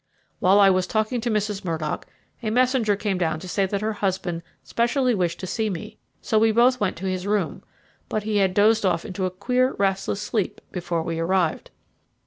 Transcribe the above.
While I was talking to Mrs. Murdock, a messenger came down to say that her husband specially wished to see me, so we both went to his room, but he had dozed off into a queer restless sleep before we arrived.